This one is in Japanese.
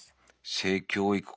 性教育か。